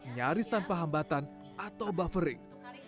nyaris tanpa hambatan atau buffering